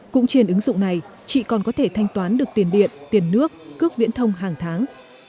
cũng trên ứng dụng này chị còn có thể thanh toán được tiền điện tiền nước cước viễn thông hàng tháng